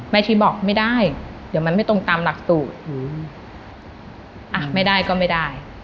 ชีบอกไม่ได้เดี๋ยวมันไม่ตรงตามหลักสูตรอ่ะไม่ได้ก็ไม่ได้